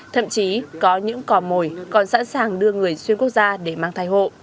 thậm chí có những cỏ mồi còn sẵn sàng đưa người xuyên quốc gia để mang thai hộ